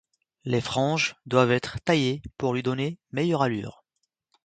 Les franges doivent être taillées pour lui donner meilleure allure.